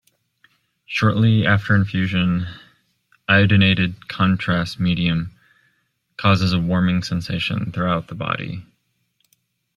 Shortly after infusion, iodinated contrast medium causes a warming sensation throughout the body.